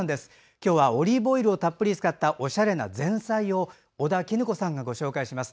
今日はオリーブオイルをたっぷり使ったおしゃれな前菜を尾田衣子さんがご紹介します。